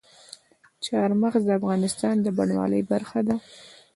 چار مغز د افغانستان د بڼوالۍ برخه ده.